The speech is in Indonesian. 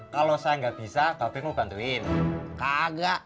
mau ke rawa b sepuluh bang